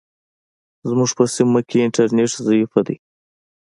زموږ په سیمه کې انټرنیټ ضعیفه ده.